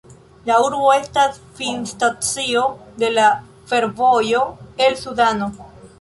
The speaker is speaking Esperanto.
La urbo estas finstacio de la fervojo el Sudano.